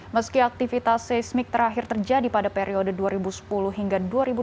meski aktivitas seismik terakhir terjadi pada periode dua ribu sepuluh hingga dua ribu dua puluh